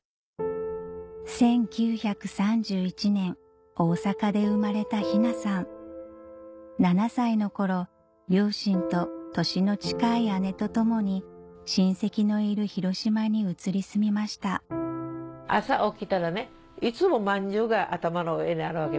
１９３１年大阪で生まれた雛さん７歳の頃両親と年の近い姉と共に親戚のいる広島に移り住みました朝起きたらいつもまんじゅうが頭の上にあるわけ。